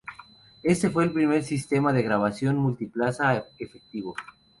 Este fue el primer sistema de grabación multipista efectivo.